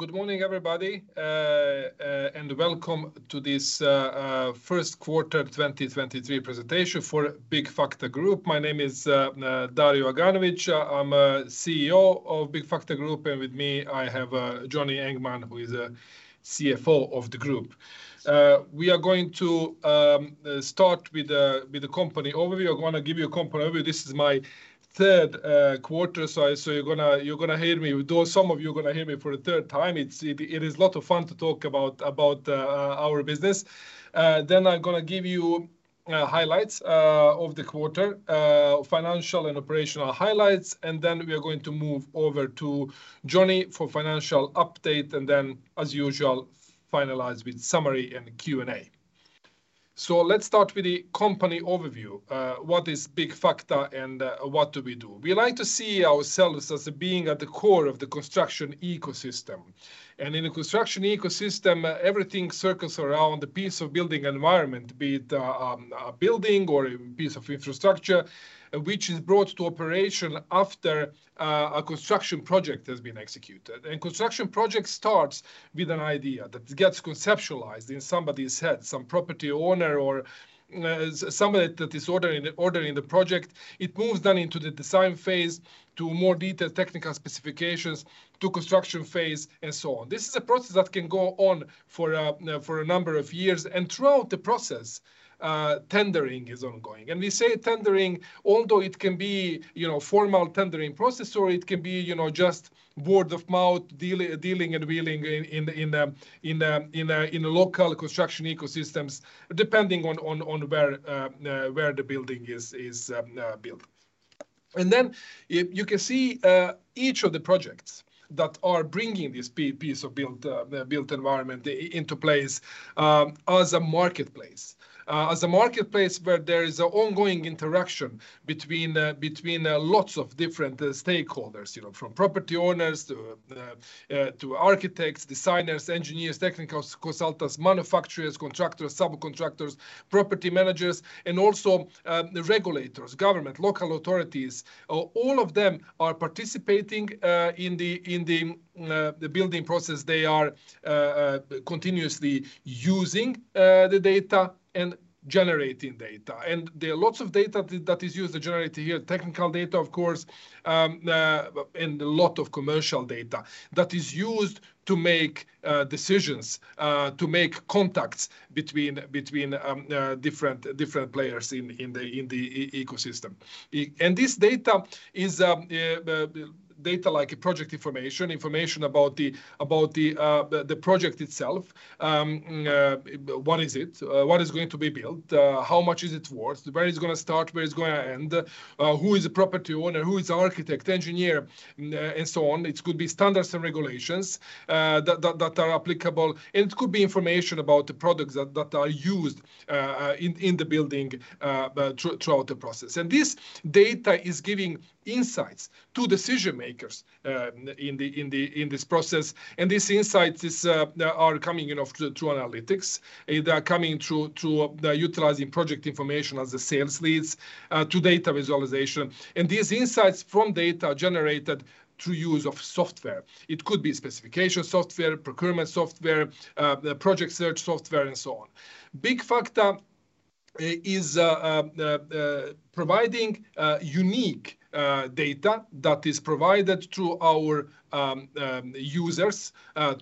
Good morning, everybody, welcome to this first quarter 2023 presentation for Byggfakta Group. My name is Dario Aganovic. I'm a CEO of Byggfakta Group, and with me I have Johnny Engman, who is a CFO of the group. We are going to start with the company overview. I'm gonna give you a company overview. This is my third quarter, so you're gonna hear me. Though some of you are gonna hear me for the third time, it is lot of fun to talk about our business. I'm gonna give you highlights of the quarter, financial and operational highlights, we're going to move over to Johnny for financial update. As usual, finalize with summary and Q&A. Let's start with the company overview. What is Byggfakta, and what do we do? We like to see ourselves as being at the core of the construction ecosystem. In a construction ecosystem, everything circles around the piece of building environment, be it a building or a piece of infrastructure, which is brought to operation after a construction project has been executed. Construction project starts with an idea that gets conceptualized in somebody's head, some property owner or somebody that is ordering the project. It moves then into the design phase to more detailed technical specifications, to construction phase, and so on. This is a process that can go on for a number of years, and throughout the process, tendering is ongoing. We say tendering, although it can be, you know, formal tendering process or it can be, you know, just word of mouth, dealing and wheeling in the local construction ecosystems, depending on where the building is built. Then you can see each of the projects that are bringing this piece of built environment into place as a marketplace. As a marketplace where there is ongoing interaction between lots of different stakeholders, you know, from property owners to architects, designers, engineers, technical consultants, manufacturers, contractors, subcontractors, property managers, and also the regulators, government, local authorities. All of them are participating in the building process. They are continuously using the data and generating data. There are lots of data that is used to generate here technical data, of course, and a lot of commercial data that is used to make decisions, to make contacts between different players in the ecosystem. This data is data like project information about the project itself. What is it? What is going to be built? How much is it worth? Where is it gonna start? Where it's gonna end? Who is the property owner? Who is the architect, engineer, and so on. It could be standards and regulations that are applicable, and it could be information about the products that are used in the building throughout the process. This data is giving insights to decision makers in this process. These insights are coming, you know, through analytics. They are coming through the utilizing project information as the sales leads to data visualization. These insights from data are generated through use of software. It could be specification software, procurement software, project search software, and so on. Byggfakta Group is providing unique data that is provided through our users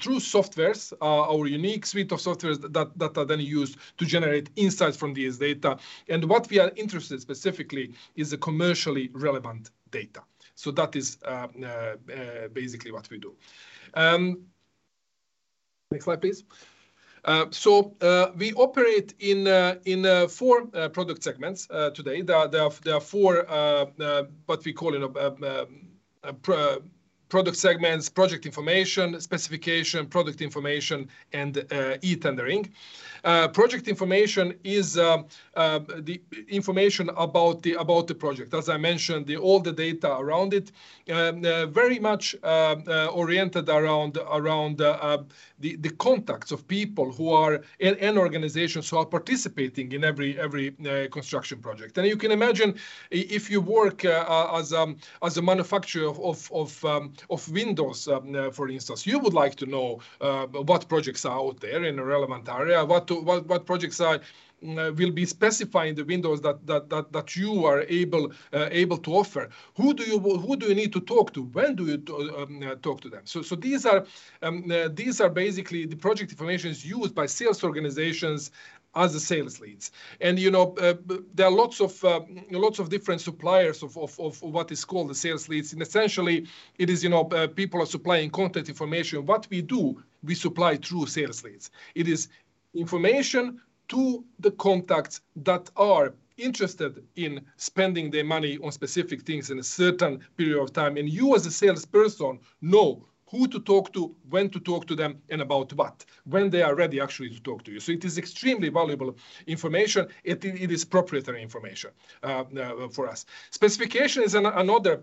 through softwares. Our unique suite of softwares that are then used to generate insights from these data. What we are interested specifically is the commercially relevant data. That is basically what we do. Next slide, please. We operate in four product segments today. There are four what we call in a product segments, project information, specification, product information, and e-tendering. Project information is the information about the project. As I mentioned, the all the data around it, very much oriented around the contacts of people and organizations who are participating in every construction project. You can imagine if you work as a manufacturer of windows, for instance, you would like to know what projects are out there in a relevant area. What projects will be specifying the windows that you are able to offer. Who do you need to talk to? When do you talk to them? These are basically the project information is used by sales organizations as sales leads. You know, there are lots of different suppliers of what is called the sales leads. Essentially it is, you know, people are supplying content information. What we do, we supply true sales leads. It is information to the contacts that are interested in spending their money on specific things in a certain period of time. You as a salesperson know who to talk to, when to talk to them, and about what, when they are ready actually to talk to you. It is extremely valuable information. It is proprietary information for us. Specification is another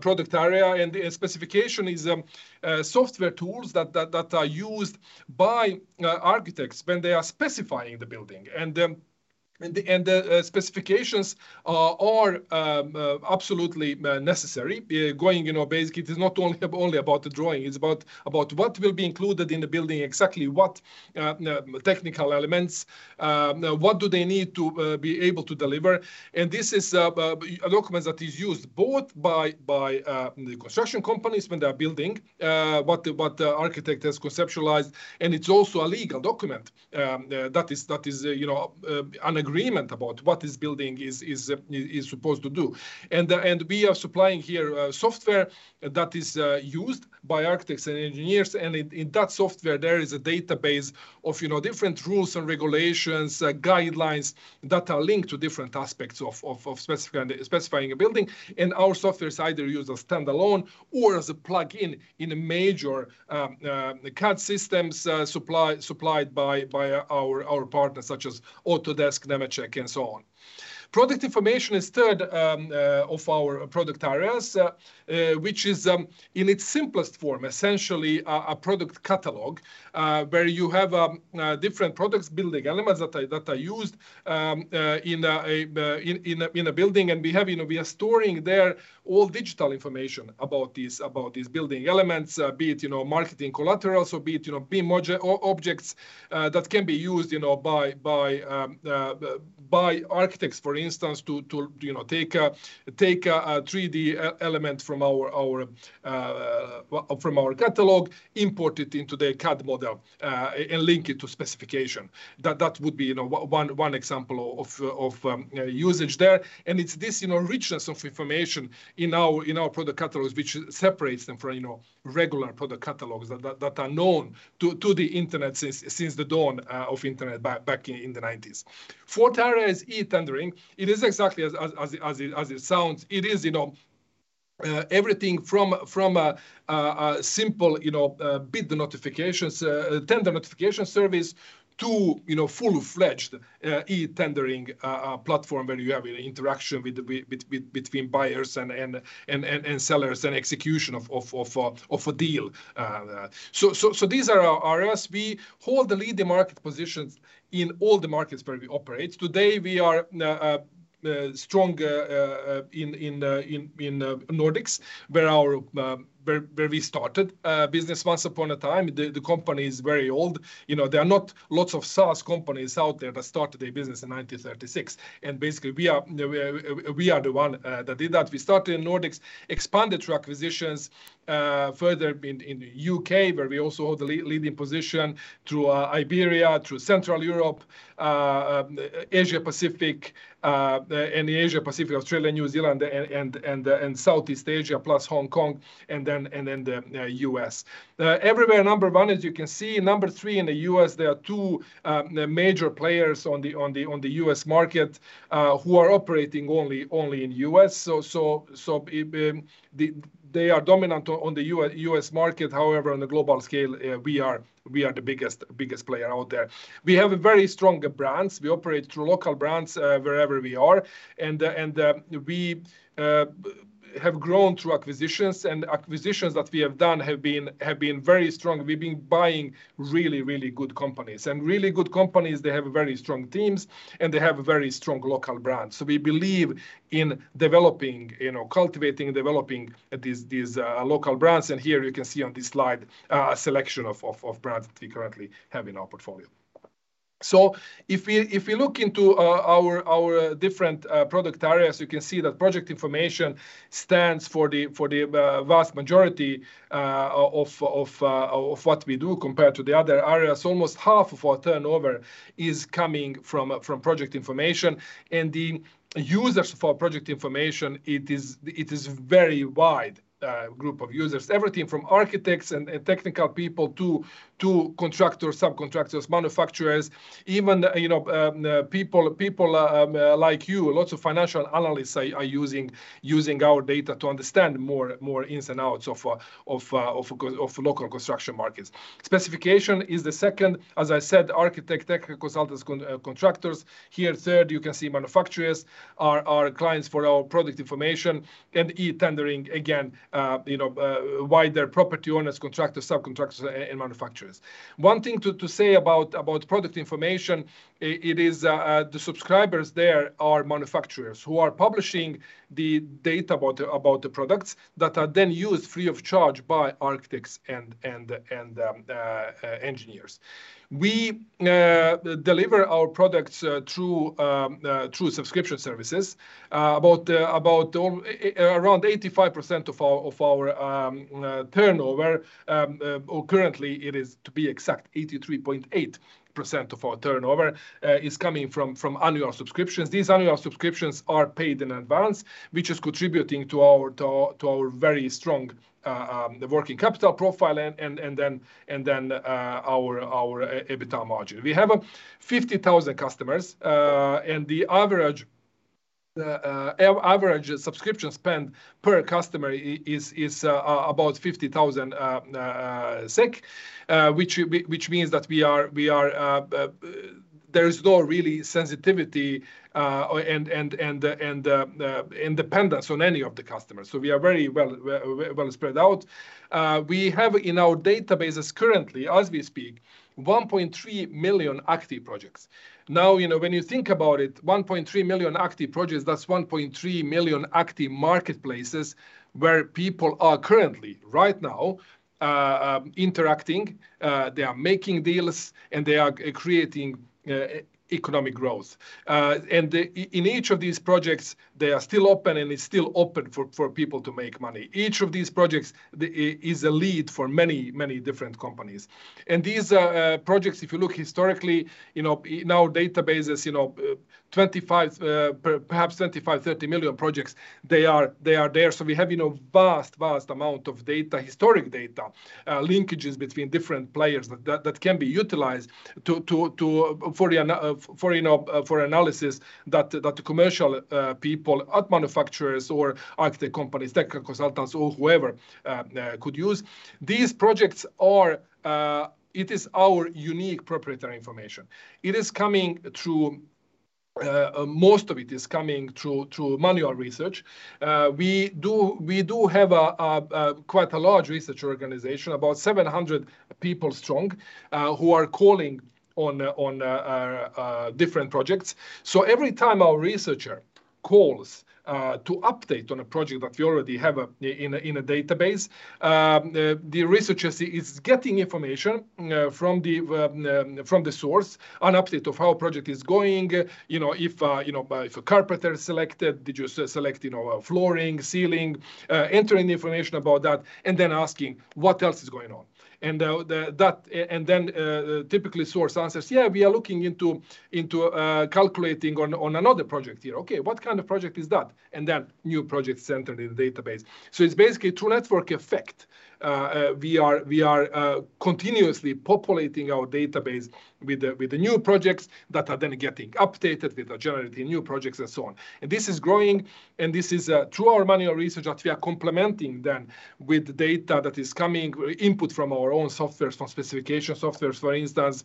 product area. Specification is software tools that are used by architects when they are specifying the building and the specifications are absolutely necessary. Going, you know, basically it is not only about the drawing, it's about what will be included in the building, exactly what technical elements, what do they need to be able to deliver. This is a document that is used both by the construction companies when they are building what the architect has conceptualized, and it's also a legal document that is, that is, you know, an agreement about what this building is supposed to do. We are supplying here software that is used by architects and engineers, and in that software there is a database of, you know, different rules and regulations, guidelines that are linked to different aspects of specifying a building. Our software is either used as standalone or as a plugin in a major CAD systems supplied by our partners such as Autodesk, Nemetschek, and so on. Product information is third of our product areas, which is in its simplest form, essentially a product catalog, where you have different products, building elements that are used in a building. We have, you know, we are storing there all digital information about these building elements, be it, you know, marketing collaterals, or be it, you know, BIM objects that can be used, you know, by architects, for instance, to take a 3D element from our catalog, import it into the CAD model and link it to specification. That would be, you know, one example of usage there. It's this, you know, richness of information in our product catalogs which separates them from, you know, regular product catalogs that are known to the internet since the dawn of internet back in the '90s. Fourth area is e-tendering. It is exactly as it sounds. It is, you know, everything from a simple, you know, bid notifications, tender notification service to, you know, full-fledged e-tendering platform where you have interaction between buyers and sellers and execution of a deal. These are our areas. We hold the leading market positions in all the markets where we operate. Today we are strong in Nordics, where we started business once upon a time. The company is very old. You know, there are not lots of SaaS companies out there that started their business in 1936. Basically, we are the one that did that. We started in Nordics, expanded through acquisitions further in U.K., where we also hold the leading position, through Iberia, through Central Europe, Asia-Pacific, and the Asia-Pacific, Australia, New Zealand, and Southeast Asia plus Hong Kong, and then the U.S. Everywhere number one, as you can see. Number three in the U.S. There are two major players on the U.S. market who are operating only in U.S., they are dominant on the U.S. market, however on the global scale, we are the biggest player out there. We have very strong brands. We operate through local brands wherever we are. We have grown through acquisitions, and acquisitions that we have done have been very strong. We've been buying really, really good companies. Really good companies, they have very strong teams, and they have very strong local brands. We believe in developing, you know, cultivating and developing these local brands. Here you can see on this slide a selection of brands that we currently have in our portfolio. If you look into our different product areas, you can see that product information stands for the vast majority of what we do compared to the other areas. Almost half of our turnover is coming from project information. The users for project information, it is very wide group of users. Everything from architects and technical people to contractors, subcontractors, manufacturers. Even, you know, like you, lots of financial analysts are using our data to understand more ins and outs of local construction markets. Specification is the second. As I said, architect, technical consultants, contractors. Here third you can see manufacturers are our clients for our product information. E-tendering, again, wider property owners, contractors, subcontractors and manufacturers. One thing to say about product information, it is the subscribers there are manufacturers who are publishing the data about the products that are then used free of charge by architects and engineers. We deliver our products through subscription services. About 85% of our turnover, or currently it is to be exact 83.8% of our turnover, is coming from annual subscriptions. These annual subscriptions are paid in advance, which is contributing to our very strong working capital profile and then our EBITDA margin. We have 50,000 customers. The average subscription spend per customer is about 50,000 SEK, which means that we are there's no really sensitivity or independence on any of the customers. We are very well spread out. We have in our databases currently, as we speak, 1.3 million active projects. You know, when you think about it, 1.3 million active projects, that's 1.3 million active marketplaces where people are currently right now interacting, they are making deals, and they are creating economic growth. In each of these projects, they are still open, and it's still open for people to make money. Each of these projects is a lead for many different companies. These projects, if you look historically, you know, in our databases, you know, 25, perhaps 30 million projects, they are there. We have, you know, vast amount of data, historic data, linkages between different players that can be utilized to for the for, you know, for analysis that commercial people at manufacturers or active companies, tech consultants or whoever, could use. These projects are, it is our unique proprietary information. It is coming through, most of it is coming through manual research. A large research organization, about 700 people strong, who are calling on different projects. Every time our researcher calls to update on a project that we already have in a database, the researcher is getting information from the source on update of how project is going. You know, if, you know, if a carpenter is selected, did you select, you know, flooring, ceiling, entering information about that, and then asking, "What else is going on?" Then typically source answers, "Yeah, we are looking into calculating on another project here." "Okay, what kind of project is that?" That new project is entered in the database. It's basically through network effect. We are continuously populating our database with the new projects that are then getting updated with the generally new projects and so on. This is growing, and this is through our manual research that we are complementing then with data that is coming, input from our own softwares, from specification softwares, for instance.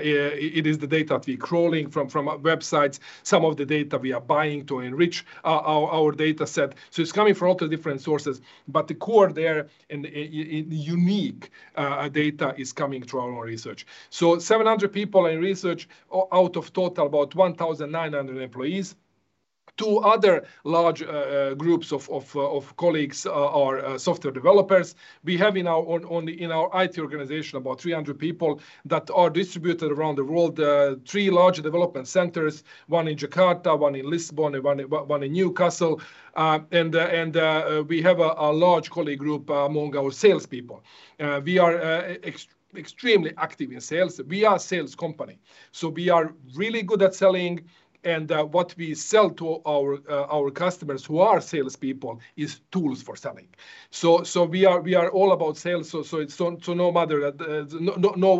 It is the data that we're crawling from websites, some of the data we are buying to enrich our data set. It's coming from all the different sources. The core there and the unique data is coming through our research. 700 people in research out of total about 1,900 employees. Two other large groups of colleagues are software developers. We have in our own, in our IT organization about 300 people that are distributed around the world. Three large development centers, one in Jakarta, one in Lisbon, and one in Newcastle. We have a large colleague group among our salespeople. We are extremely active in sales. We are a sales company, so we are really good at selling, and what we sell to our customers who are salespeople is tools for selling. We are all about sales. It's no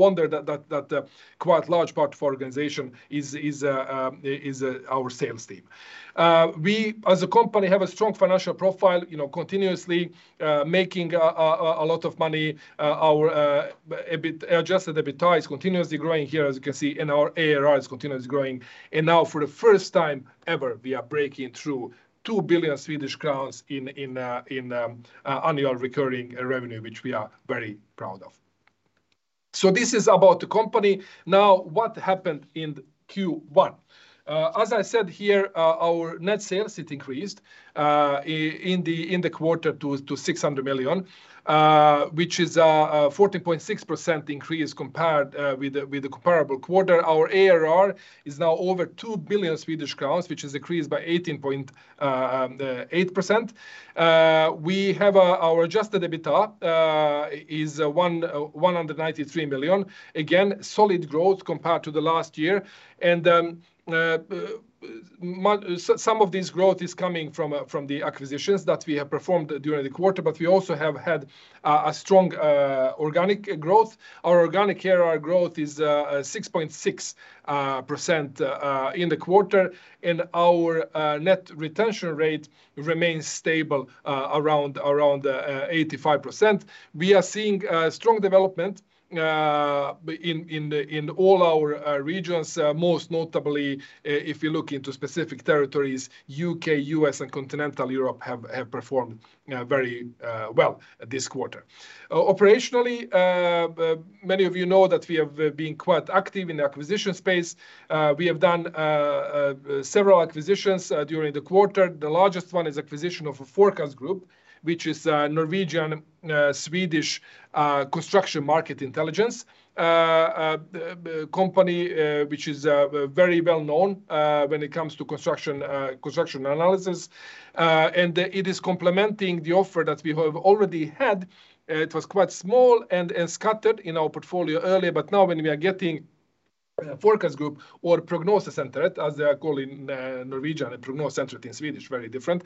wonder that quite large part of our organization is our sales team. We as a company have a strong financial profile, you know, continuously making a lot of money. Our EBIT, Adjusted EBITDA is continuously growing here, as you can see, and our ARR is continuously growing. Now, for the first time ever, we are breaking through 2 billion Swedish crowns in annual recurring revenue, which we are very proud of. This is about the company. Now, what happened in Q1? As I said here, our net sales, it increased in the quarter to 600 million, which is a 14.6% increase compared with the comparable quarter. Our ARR is now over 2 billion Swedish crowns, which has increased by 18.8%. We have our Adjusted EBITDA is 193 million. Again, solid growth compared to the last year. Some of this growth is coming from the acquisitions that we have performed during the quarter, but we also have had a strong organic growth. Our organic ARR growth is 6.6% in the quarter, and our net retention rate remains stable around 85%. We are seeing strong development in all our regions, most notably, if you look into specific territories, U.K., U.S., and Continental Europe have performed very well this quarter. Operationally, many of you know that we have been quite active in the acquisition space. We have done several acquisitions during the quarter. The largest one is acquisition of a 4CastGroup, which is a Norwegian Swedish construction market intelligence company, which is very well known when it comes to construction construction analysis. It is complementing the offer that we have already had. It was quite small and scattered in our portfolio earlier, but now, when we are getting 4CastGroup or Prognosesenteret as they are called in Norwegian and Prognoscentret in Swedish, very different.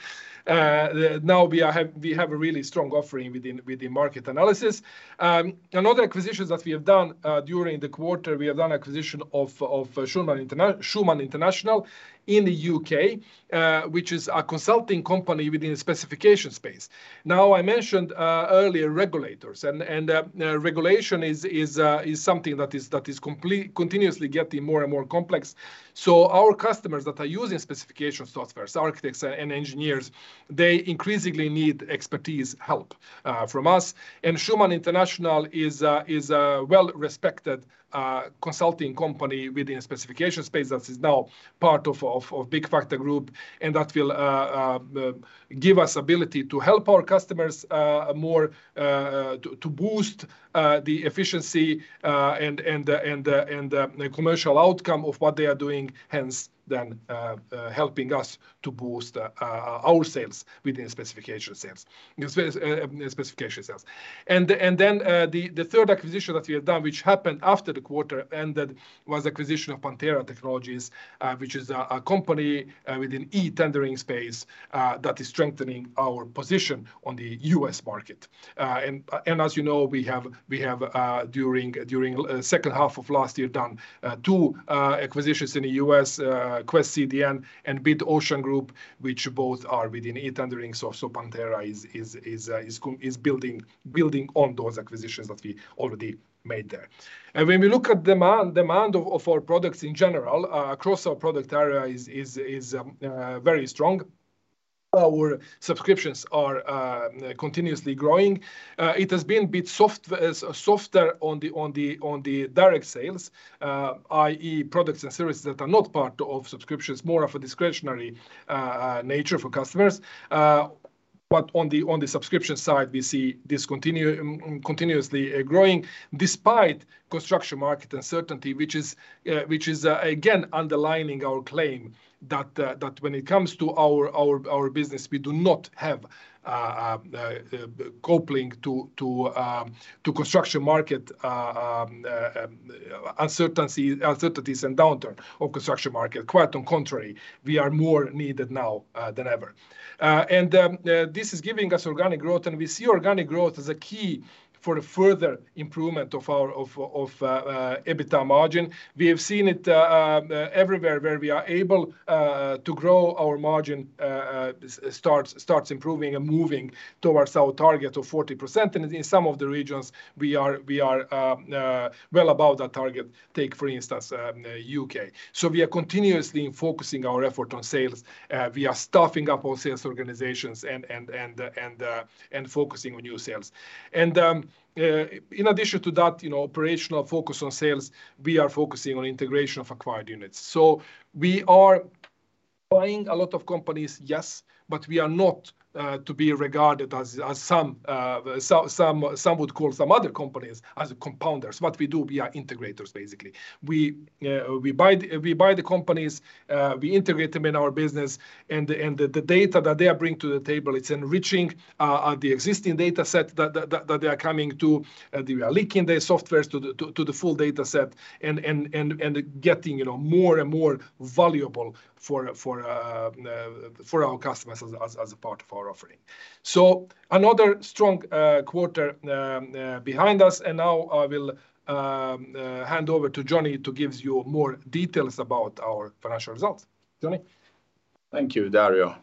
Now we have a really strong offering within market analysis. Another acquisitions that we have done during the quarter, we have done acquisition of Schuman International in the U.K., which is a consulting company within the specification space. Now, I mentioned earlier regulators and regulation is something that is continuously getting more and more complex. Our customers that are using specification softwares, architects and engineers, they increasingly need expertise help from us. Schuman International is well-respected consulting company within the specification space that is now part of Byggfakta Group, and that will give us ability to help our customers more to boost the efficiency and the commercial outcome of what they are doing, hence then helping us to boost our sales within specification sales. Then, the third acquisition that we have done, which happened after the quarter ended, was acquisition of Pantera Global Technology, which is a company within e-tendering space that is strengthening our position on the U.S. market. As you know, we have during second half of last year done two acquisitions in the U.S., QuestCDN and Bid Ocean Group, which both are within e-tendering. Pantera is building on those acquisitions that we already made there. When we look at demand of our products in general, across our product area is very strong. Our subscriptions are continuously growing. Uh, it has been a bit soft-- uh, softer on the, on the, on the direct sales, uh, i.e. products and services that are not part of subscriptions, more of a discretionary, uh, uh, nature for customers. Uh, but on the, on the subscription side, we see this continu- continuously growing despite construction market uncertainty, which is, uh, which is, uh, again, underlining our claim that, uh, that when it comes to our, our, our business, we do not have, uh, um, uh, uh, coupling to, to, um, to construction market, uh, um, uh, um, uncertainty, uncertainties and downturn of construction market. Quite on contrary, we are more needed now, uh, than ever. Uh, and, um, uh, this is giving us organic growth, and we see organic growth as a key for the further improvement of our, of, of, uh, uh, EBITDA margin. We have seen it everywhere where we are able to grow our margin starts improving and moving towards our target of 40%. In some of the regions, we are well above that target. Take for instance, U.K. We are continuously focusing our effort on sales. We are staffing up our sales organizations and focusing on new sales. In addition to that, you know, operational focus on sales, we are focusing on integration of acquired units. We are buying a lot of companies, yes, but we are not to be regarded as some would call some other companies as compounders. What we do, we are integrators, basically. We buy the companies, we integrate them in our business, and the data that they are bringing to the table, it's enriching the existing data set that they are coming to. We are linking their softwares to the full data set and getting, you know, more and more valuable for our customers as a part of our offering. Another strong quarter behind us. Now I will hand over to Johnny to give you more details about our financial results. Johnny? Thank you, Dario.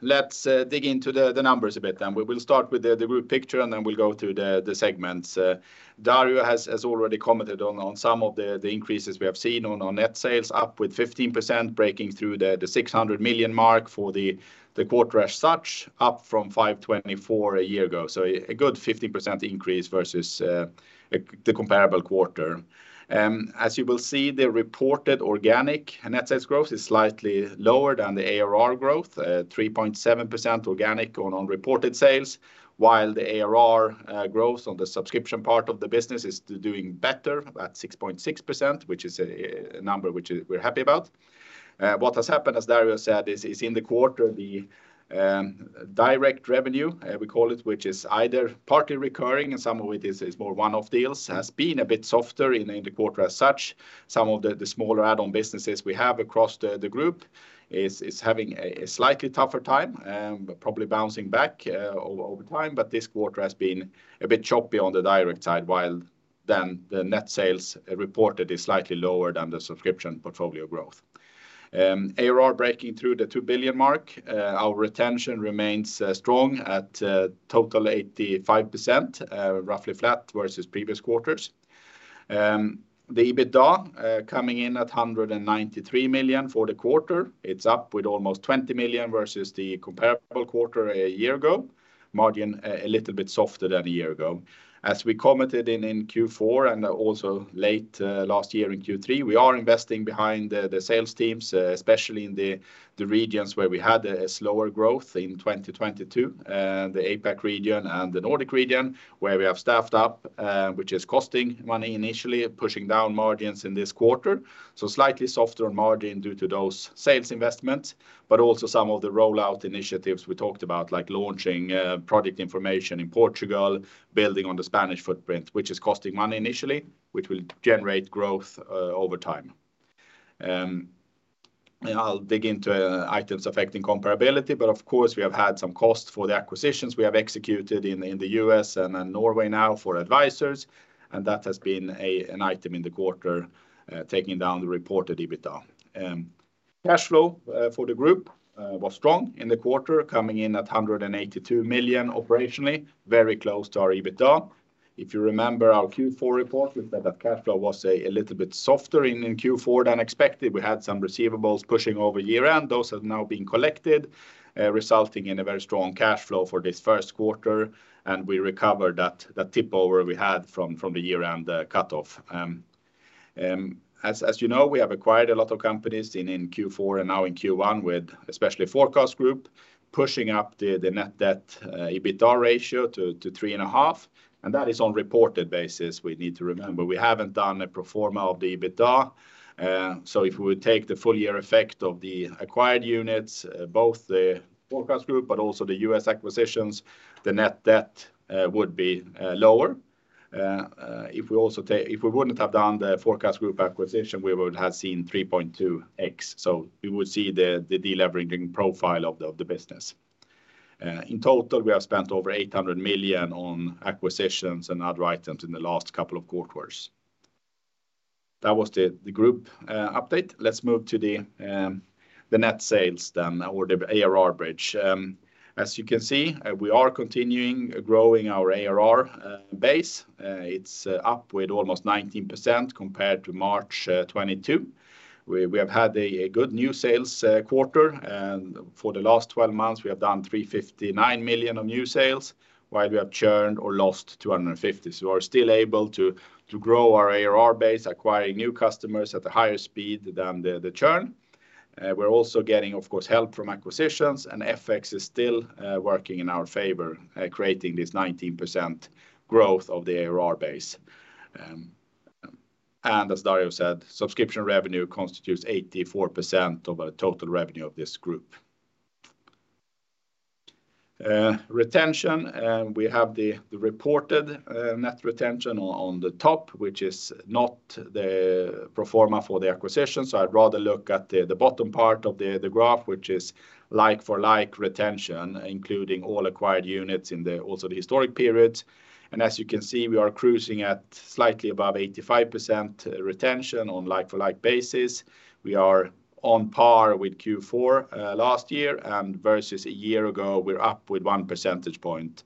Let's dig into the numbers a bit. We will start with the group picture. Then we'll go through the segments. Dario has already commented on some of the increases we have seen on our net sales, up with 15%, breaking through the 600 million mark for the quarter as such, up from 524 a year ago. A good 15% increase versus the comparable quarter. As you will see, the reported organic net sales growth is slightly lower than the ARR growth, 3.7% organic on reported sales, while the ARR growth on the subscription part of the business is doing better at 6.6%, which is a number which we're happy about. What has happened, as Dario said, is in the quarter, the direct revenue, we call it, which is either partly recurring and some of it is more one-off deals, has been a bit softer in the quarter as such. Some of the smaller add-on businesses we have across the group is having a slightly tougher time, but probably bouncing back over time. This quarter has been a bit choppy on the direct side, while the net sales reported is slightly lower than the subscription portfolio growth. ARR breaking through the 2 billion mark. Our retention remains strong at total 85%, roughly flat versus previous quarters. The EBITDA coming in at 193 million for the quarter. It's up with almost 20 million versus the comparable quarter a year ago. Margin a little bit softer than a year ago. As we commented in Q4 and also late last year in Q3, we are investing behind the sales teams, especially in the regions where we had a slower growth in 2022, the APAC region and the Nordic region, where we have staffed up, which is costing money initially, pushing down margins in this quarter. Slightly softer on margin due to those sales investments, but also some of the rollout initiatives we talked about, like launching product information in Portugal, building on the Spanish footprint, which is costing money initially, which will generate growth over time. I'll dig into items affecting comparability, but of course, we have had some costs for the acquisitions we have executed in the U.S. and Norway now for advisors. That has been an item in the quarter, taking down the reported EBITDA. Cash flow for the group was strong in the quarter, coming in at 182 million operationally, very close to our EBITDA. If you remember our Q4 report, we said that cash flow was a little bit softer in Q4 than expected. We had some receivables pushing over year-end. Those have now been collected, resulting in a very strong cash flow for this first quarter, and we recovered that tip over we had from the year-end cutoff. As you know, we have acquired a lot of companies in Q4 and now in Q1 with especially 4CastGroup pushing up the net debt EBITDA ratio to 3.5x, and that is on reported basis we need to remember. We haven't done a pro forma of the EBITDA. If we take the full year effect of the acquired units, both the 4CastGroup but also the U.S. acquisitions, the net debt would be lower. If we wouldn't have done the 4CastGroup acquisition, we would have seen 3.2x. We would see the deleveraging profile of the business. In total, we have spent over 800 million on acquisitions and other items in the last couple of quarters. That was the group update. Let's move to the net sales or the ARR bridge. As you can see, we are continuing growing our ARR base. It's up with almost 19% compared to March 2022. We have had a good new sales quarter. For the last 12 months, we have done 359 million of new sales, while we have churned or lost 250. We're still able to grow our ARR base, acquiring new customers at a higher speed than the churn. We're also getting, of course, help from acquisitions. FX is still working in our favor, creating this 19% growth of the ARR base. As Dario said, subscription revenue constitutes 84% of our total revenue of this group. Retention, we have the reported net retention on the top, which is not the pro forma for the acquisition. I'd rather look at the bottom part of the graph, which is like-for-like retention, including all acquired units in the also the historic periods. As you can see, we are cruising at slightly above 85% retention on like-for-like basis. We are on par with Q4 last year, versus a year ago, we're up with 1 percentage point.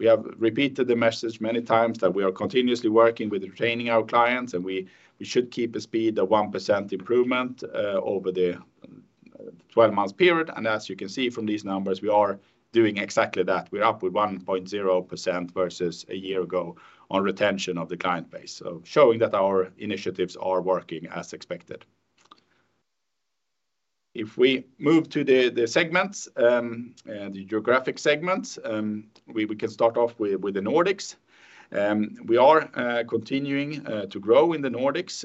We have repeated the message many times that we are continuously working with retaining our clients, and we should keep a speed of 1% improvement over the 12-month period. As you can see from these numbers, we are doing exactly that. We're up with 1.0% versus a year ago on retention of the client base. Showing that our initiatives are working as expected. If we move to the segments, the geographic segments, we can start off with the Nordics. We are continuing to grow in the Nordics.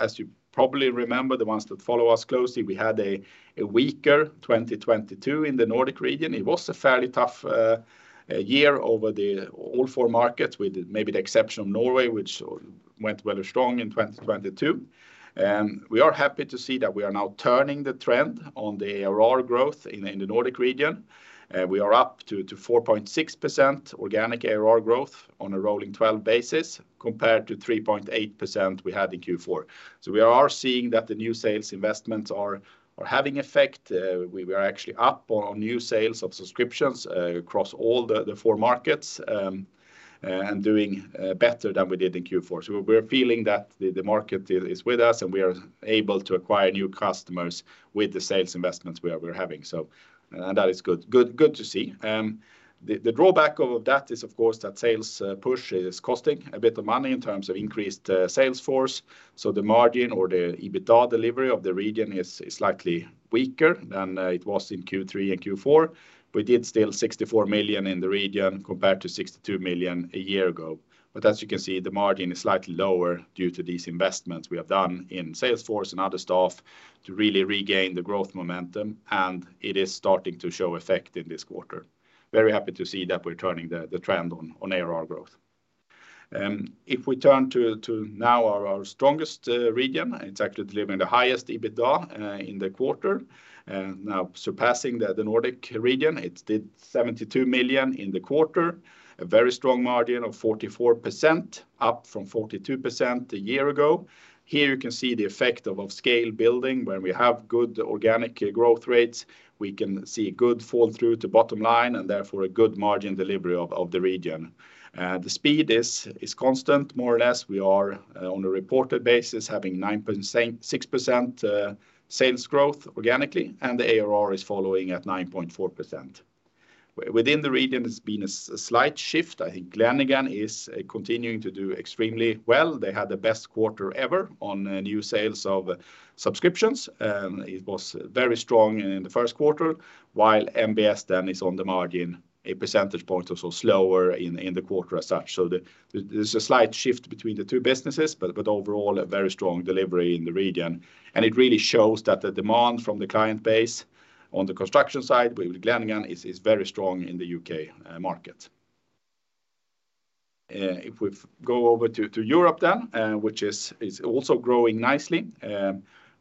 As you probably remember, the ones that follow us closely, we had a weaker 2022 in the Nordic region. It was a fairly tough year over the all four markets with maybe the exception of Norway, which went rather strong in 2022. We are happy to see that we are now turning the trend on the ARR growth in the Nordic region. We are up to 4.6% organic ARR growth on a rolling 12 basis compared to 3.8% we had in Q4. We are seeing that the new sales investments are having effect. We are actually up on new sales of subscriptions across all the four markets and doing better than we did in Q4. We're feeling that the market is with us, and we are able to acquire new customers with the sales investments we're having. That is good to see. The drawback of that is, of course, that sales push is costing a bit of money in terms of increased Salesforce. The margin or the EBITDA delivery of the region is slightly weaker than it was in Q3 and Q4. We did still 64 million in the region compared to 62 million a year ago. As you can see, the margin is slightly lower due to these investments we have done in Salesforce and other staff to really regain the growth momentum, and it is starting to show effect in this quarter. Very happy to see that we're turning the trend on ARR growth. If we turn to now our strongest region, it's actually delivering the highest EBITDA in the quarter, now surpassing the Nordic region. It did 72 million in the quarter, a very strong margin of 44%, up from 42% a year ago. Here you can see the effect of scale building. When we have good organic growth rates, we can see good fall through to bottom line and therefore a good margin delivery of the region. The speed is constant more or less. We are on a reported basis having 9.6% sales growth organically, and the ARR is following at 9.4%. Within the region, it's been a slight shift. I think Glenigan is continuing to do extremely well. They had the best quarter ever on new sales of subscriptions, it was very strong in the first quarter, while MBS then is on the margin, a percentage point or so slower in the quarter as such. There's a slight shift between the two businesses, but overall a very strong delivery in the region. It really shows that the demand from the client base on the construction side with Glenigan is very strong in the U.K. market. If we go over to Europe then, which is also growing nicely,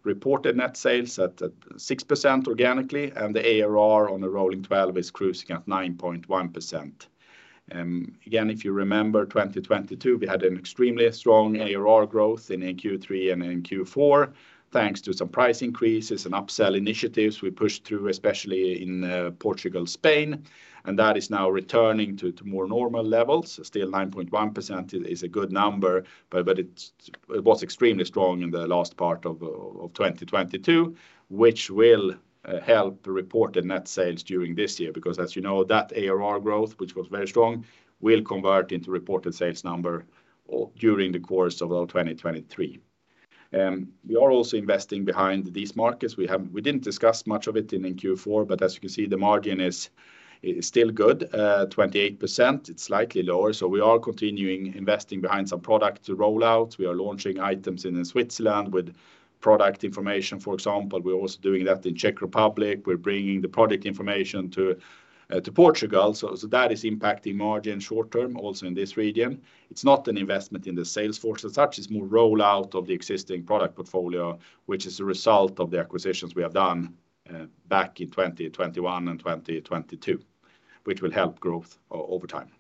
reported net sales at 6% organically, and the ARR on a rolling 12 is cruising at 9.1%. Again, if you remember 2022, we had an extremely strong ARR growth in Q3 and in Q4, thanks to some price increases and upsell initiatives we pushed through, especially in Portugal, Spain. That is now returning to more normal levels. 9.1% is a good number, it was extremely strong in the last part of 2022, which will help report the net sales during this year, because as you know, that ARR growth, which was very strong, will convert into reported sales number during the course of 2023. We are also investing behind these markets. We didn't discuss much of it in Q4, as you can see, the margin is still good, 28%, it's slightly lower. We are continuing investing behind some product rollouts. We are launching items in Switzerland with product information, for example. We're also doing that in Czech Republic. We're bringing the product information to Portugal. That is impacting margin short term also in this region. It's not an investment in the sales force. As such, it's more rollout of the existing product portfolio, which is a result of the acquisitions we have done back in 2021 and 2022, which will help growth over time.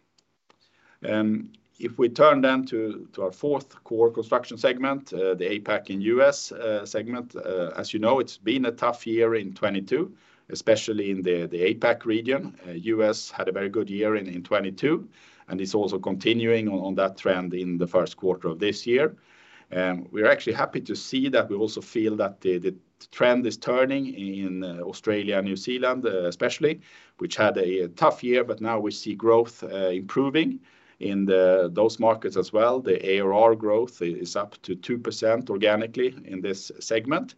If we turn to our fourth core construction segment, the APAC and U.S. segment, as you know, it's been a tough year in 2022, especially in the APAC region. U.S. had a very good year in 2022, and it's also continuing on that trend in the first quarter of this year. We're actually happy to see that. We also feel that the trend is turning in Australia and New Zealand, especially, which had a tough year. Now we see growth improving in those markets as well. The ARR growth is up to 2% organically in this segment.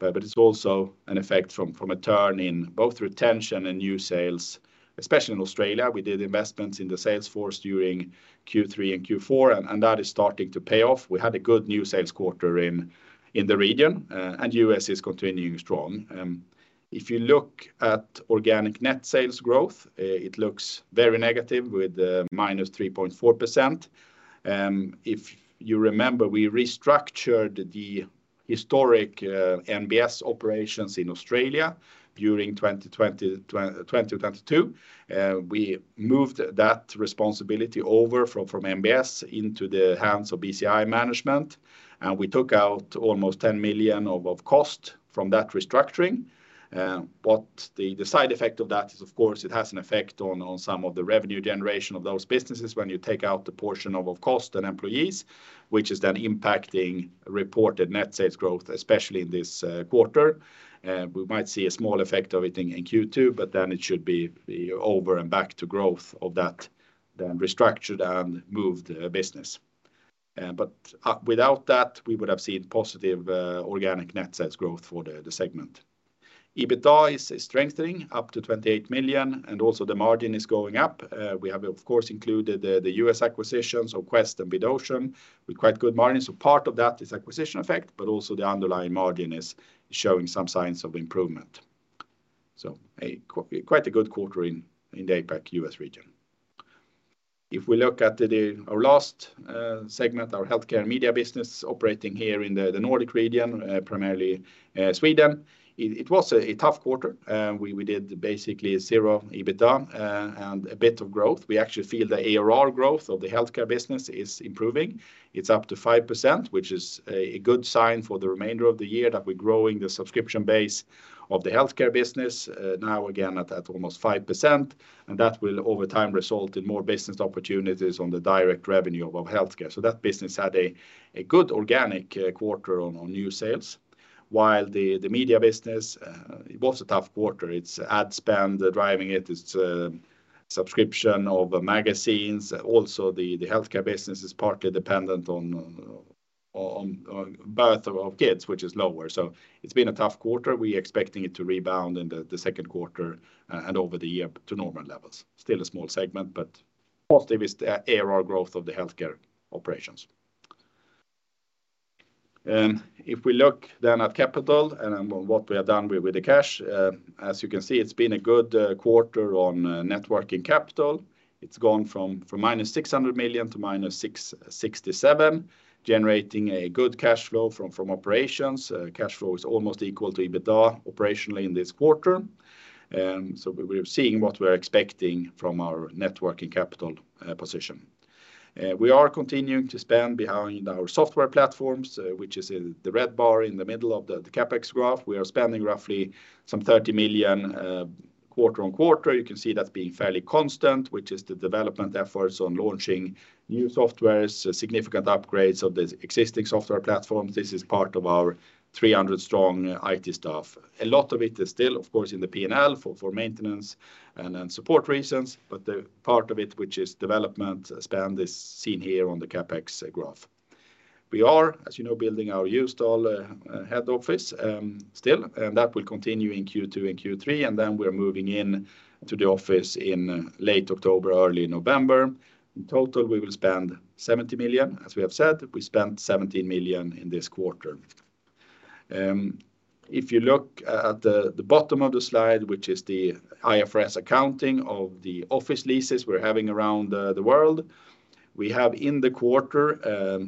It's also an effect from a turn in both retention and new sales, especially in Australia. We did investments in the sales force during Q3 and Q4, and that is starting to pay off. We had a good new sales quarter in the region, and U.S. is continuing strong. If you look at organic net sales growth, it looks very negative with -3.4%. If you remember, we restructured the historic MBS operations in Australia during 2022. We moved that responsibility over from MBS into the hands of BCI management, and we took out almost 10 million of cost from that restructuring. The, the side effect of that is, of course, it has an effect on some of the revenue generation of those businesses when you take out the portion of cost and employees, which is then impacting reported net sales growth, especially in this quarter. We might see a small effect of it in Q2, it should be over and back to growth of that then restructured and moved business. Without that, we would have seen positive organic net sales growth for the segment. EBITDA is strengthening up to 28 million, also the margin is going up. We have, of course, included the U.S. acquisitions of Quest and Bid Ocean with quite good margin. Part of that is acquisition effect, the underlying margin is showing some signs of improvement. Quite a good quarter in the APAC-U.S. region. If we look at our last segment, our healthcare media business operating here in the Nordic region, primarily Sweden, it was a tough quarter. We did basically zero EBITDA and a bit of growth. We actually feel the ARR growth of the healthcare business is improving. It's up to 5%, which is a good sign for the remainder of the year that we're growing the subscription base of the healthcare business now again at almost 5%, and that will over time result in more business opportunities on the direct revenue of healthcare. That business had a good organic quarter on new sales. While the media business, it was a tough quarter. It's ad spend driving it. It's subscription of magazines. Also, the healthcare business is partly dependent on birth of kids, which is lower. It's been a tough quarter. We're expecting it to rebound in the second quarter and over the year to normal levels. Still a small segment, but positive is the ARR growth of the healthcare operations. If we look then at capital and what we have done with the cash, as you can see, it's been a good quarter on net working capital. It's gone from -600 million to -667, generating a good cash flow from operations. Cash flow is almost equal to EBITDA operationally in this quarter. We're seeing what we're expecting from our net working capital position. We are continuing to spend behind our software platforms, which is in the red bar in the middle of the CapEx graph. We are spending roughly some 30 million quarter-on-quarter. You can see that being fairly constant, which is the development efforts on launching new softwares, significant upgrades of the existing software platforms. This is part of our 300 strong IT staff. A lot of it is still, of course, in the P&L for maintenance and support reasons, but the part of it which is development spend is seen here on the CapEx graph. We are, as you know, building our Ljusdal head office still, and that will continue in Q2 and Q3, and then we're moving in to the office in late October, early November. In total, we will spend 70 million. As we have said, we spent 17 million in this quarter. If you look at the bottom of the slide, which is the IFRS accounting of the office leases we're having around the world. We have in the quarter,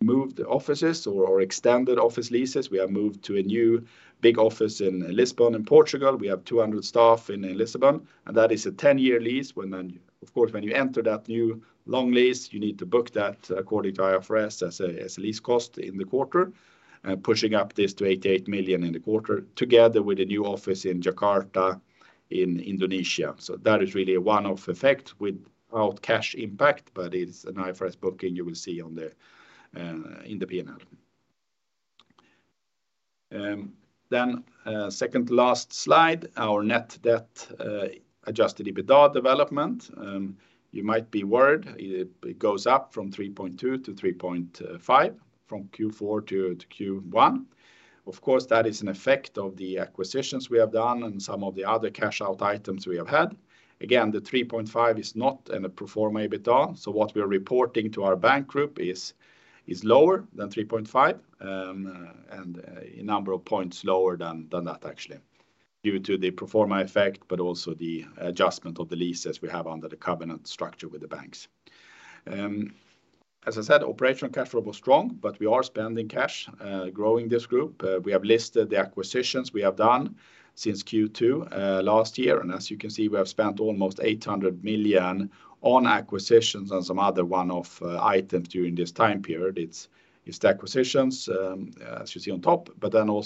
moved offices or extended office leases. We have moved to a new big office in Lisbon in Portugal. We have 200 staff in Lisbon. That is a 10-year lease when then... When you enter that new long lease, you need to book that according to IFRS as a, as a lease cost in the quarter, pushing up this to 88 million in the quarter, together with a new office in Jakarta in Indonesia. That is really a one-off effect without cash impact, but it's an IFRS booking you will see on the, in the P&L. Second last slide, our net debt Adjusted EBITDA development. You might be worried it goes up from 3.2x-3.5x from Q4 to Q1. That is an effect of the acquisitions we have done and some of the other cash-out items we have had. The 3.5x is not in the pro forma EBITDA, so what we're reporting to our bank group is lower than 3.5x. A number of points lower than that actually. Due to the pro forma effect, but also the adjustment of the leases we have under the covenant structure with the banks. As I said, operational cash flow was strong, but we are spending cash growing this group. We have listed the acquisitions we have done since Q2 last year. We have spent almost 800 million on acquisitions and some other one-off items during this time period. It's the acquisitions. Also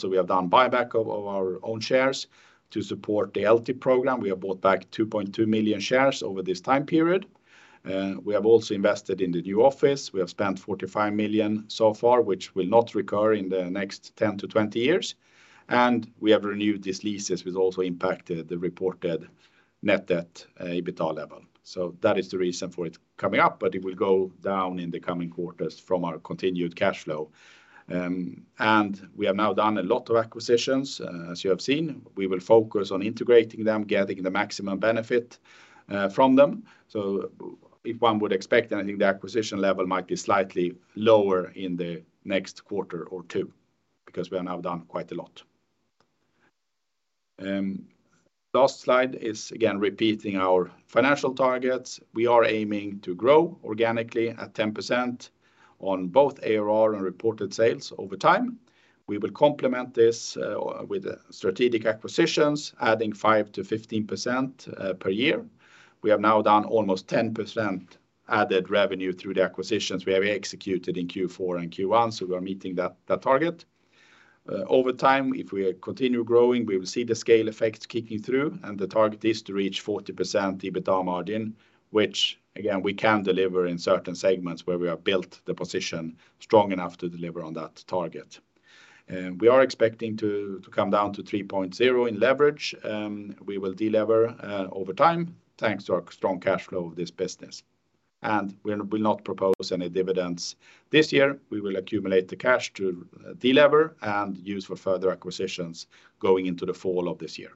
we have done buyback of our own shares to support the LT program. We have bought back 2.2 million shares over this time period. We have also invested in the new office. We have spent 45 million so far, which will not recur in the next 10-20 years. We have renewed these leases, which also impacted the reported net debt, EBITDA level. That is the reason for it coming up. It will go down in the coming quarters from our continued cash flow. We have now done a lot of acquisitions, as you have seen. We will focus on integrating them, getting the maximum benefit from them. If one would expect anything, the acquisition level might be slightly lower in the next quarter or two because we have now done quite a lot. Last slide is again repeating our financial targets. We are aiming to grow organically at 10% on both ARR and reported sales over time. We will complement this with strategic acquisitions, adding 5%-15% per year. We have now done almost 10% added revenue through the acquisitions we have executed in Q4 and Q1, we are meeting that target. Over time, if we continue growing, we will see the scale effects kicking through, and the target is to reach 40% EBITDA margin, which again, we can deliver in certain segments where we have built the position strong enough to deliver on that target. We are expecting to come down to 3.0 in leverage. We will delever over time, thanks to our strong cash flow of this business. We'll not propose any dividends this year. We will accumulate the cash to delever and use for further acquisitions going into the fall of this year.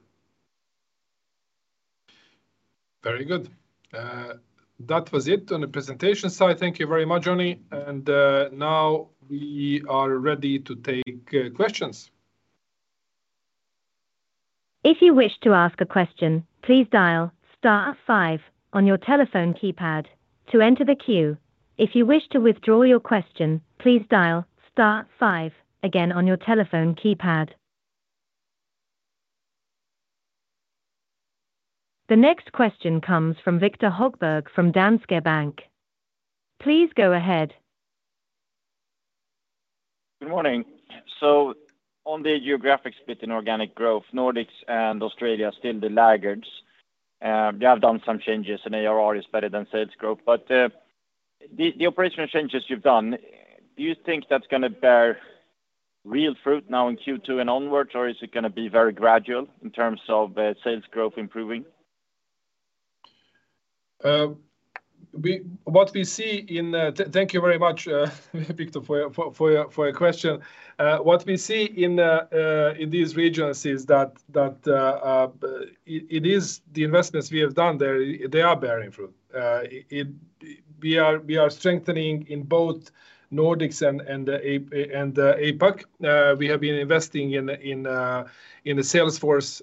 Very good. That was it on the presentation side. Thank you very much, Johnny. Now we are ready to take questions. If you wish to ask a question, please dial star five on your telephone keypad to enter the queue. If you wish to withdraw your question, please dial star five again on your telephone keypad. The next question comes from Viktor Högberg from Danske Bank. Please go ahead. Good morning. On the geographic split in organic growth, Nordics and Australia are still the laggards. You have done some changes, and ARR is better than sales growth. The operational changes you've done, do you think that's gonna bear real fruit now in Q2 and onwards, or is it gonna be very gradual in terms of sales growth improving? Thank you very much, Viktor, for your question. What we see in these regions is that the investments we have done there, they are bearing fruit. We are strengthening in both Nordics and APAC. We have been investing in the sales force,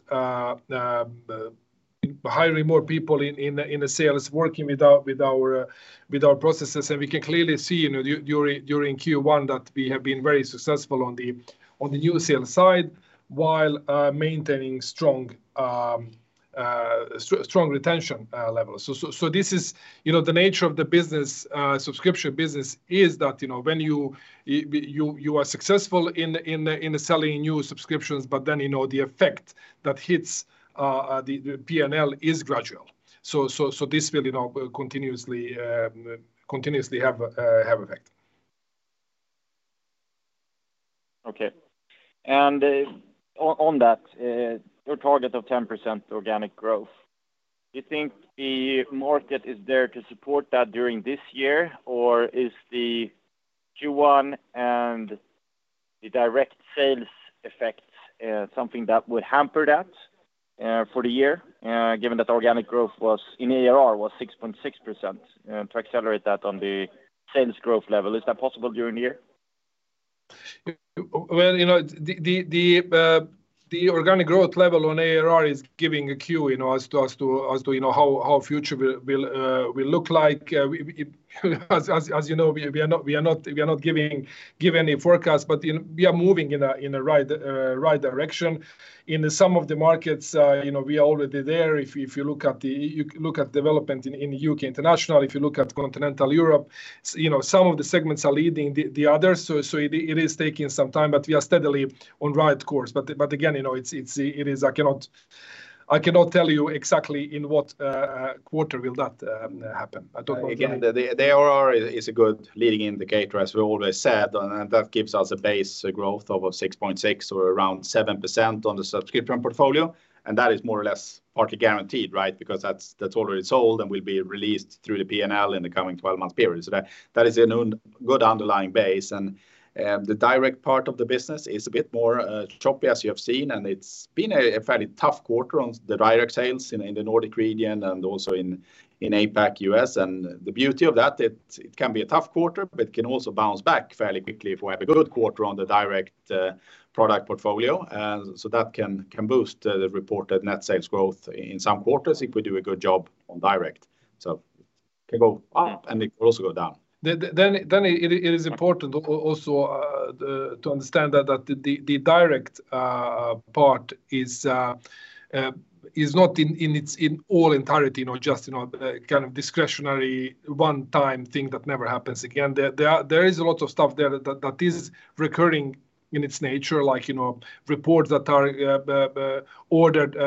hiring more people in the sales, working with our processes. We can clearly see, you know, during Q1 that we have been very successful on the new sales side while maintaining strong retention levels. This is, you know, the nature of the business, subscription business is that, you know, when you are successful in selling new subscriptions, the effect that hits the P&L is gradual. This will, you know, continuously have effect. Okay. On that, your target of 10% organic growth, do you think the market is there to support that during this year? Is the Q1 and the direct sales effects something that would hamper that? For the year, given that the organic growth was in ARR was 6.6%, to accelerate that on the sales growth level. Is that possible during the year? Well, you know, the organic growth level on ARR is giving a cue, you know, as to, you know, how future will look like. As you know, we are not giving any forecast, but we are moving in a right direction. In some of the markets, you know, we are already there. If you look at development in U.K. international, if you look at continental Europe, you know, some of the segments are leading the others. It is taking some time, but we are steadily on right course. Again, you know, it is I cannot tell you exactly in what quarter will that happen. I talk about Again, the ARR is a good leading indicator, as we always said, that gives us a base growth of a 6.6% or around 7% on the subscription portfolio. That is more or less partly guaranteed, right? Because that's already sold and will be released through the P&L in the coming 12-month period. That is a good underlying base. The direct part of the business is a bit more choppy, as you have seen, and it's been a fairly tough quarter on the direct sales in the Nordic region and also in APAC, U.S. The beauty of that, it can be a tough quarter, but it can also bounce back fairly quickly if we have a good quarter on the direct product portfolio. That can boost the reported net sales growth in some quarters if we do a good job on direct. Can go up and it will also go down. It is important also to understand that the direct part is not in its all entirety, you know, just, you know, kind of discretionary one time thing that never happens again. There is a lot of stuff there that is recurring in its nature, like, you know, reports that are ordered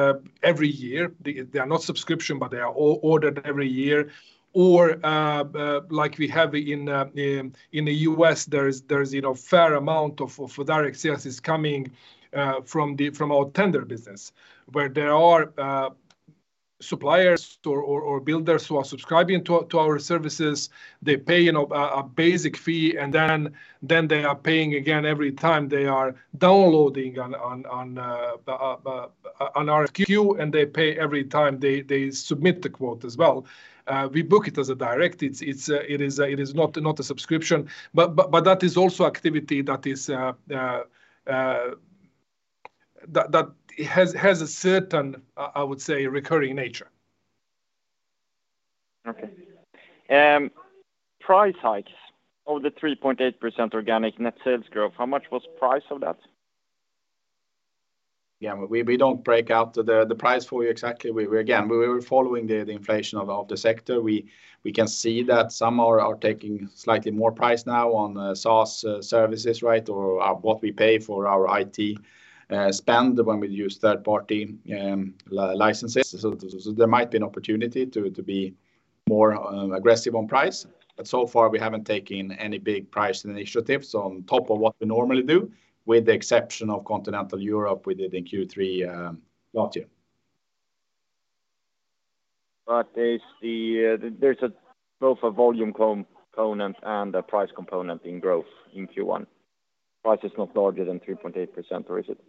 every year. They are not subscription, but they are ordered every year. Like we have in the U.S., there is, you know, fair amount of direct sales is coming from the from our tender business, where there are suppliers or builders who are subscribing to our services. They pay, you know, a basic fee, then they are paying again every time they are downloading on RFQ, and they pay every time they submit the quote as well. We book it as a direct. It is not a subscription. That is also activity that has a certain, I would say, recurring nature. Okay. price hikes. Of the 3.8% organic net sales growth, how much was price of that? We don't break out the price for you exactly. We again, we were following the inflation of the sector. We can see that some are taking slightly more price now on SaaS services, right? Or what we pay for our IT spend when we use third-party licenses. So there might be an opportunity to be more aggressive on price. So far, we haven't taken any big price initiatives on top of what we normally do, with the exception of Continental Europe, we did in Q3 last year. There's a both a volume component and a price component in growth in Q1. Price is not larger than 3.8%, or is it?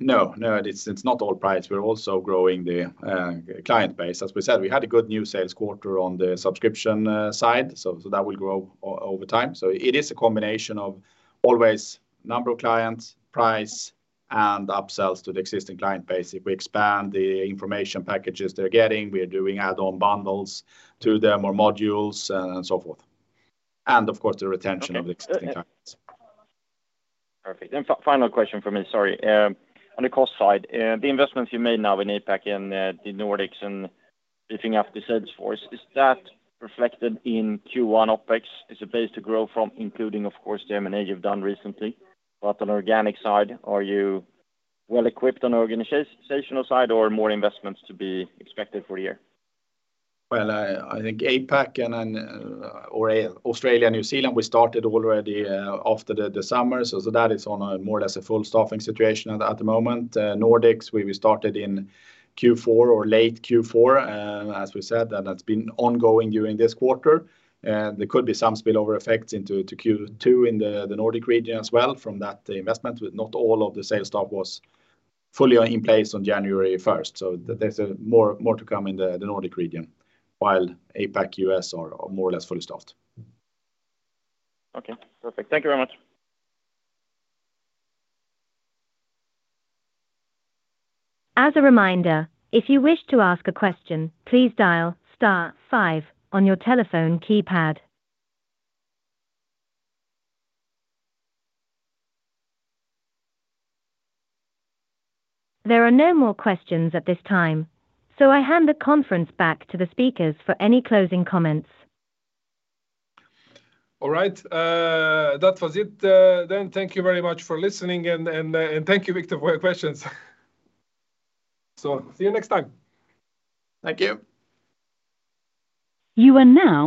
No, it is, it's not all price. We're also growing the client base. As we said, we had a good new sales quarter on the subscription side, so that will grow over time. It is a combination of always number of clients, price, and upsells to the existing client base. If we expand the information packages they're getting, we are doing add-on bundles to them or modules and so forth. Of course, the retention of existing clients. Perfect. Final question for me, sorry. On the cost side, the investments you made now in APAC, in the Nordics and lifting up the sales force, is that reflected in Q1 OpEx? Is a place to grow from including, of course, the M&A you've done recently. On organic side, are you well equipped on organizational side or more investments to be expected for the year? I think APAC and then, or Australia, New Zealand, we started already, after the summer. That is on a more or less a full staffing situation at the moment. Nordics, we started in Q4 or late Q4. As we said, that has been ongoing during this quarter. There could be some spillover effects into Q2 in the Nordic region as well from that investment, with not all of the sales staff was fully in place on January 1st. There's more to come in the Nordic region, while APAC, U.S. are more or less fully staffed. Okay, perfect. Thank you very much. As a reminder, if you wish to ask a question, please dial star five on your telephone keypad. There are no more questions at this time, so I hand the conference back to the speakers for any closing comments. All right. That was it. Thank you very much for listening and thank you, Victor, for your questions. See you next time. Thank you. You are now